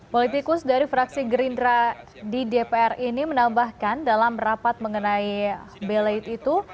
politikus dari fraksi gerindra di dpr ini menambahkan dalam rapat mengenai belate itu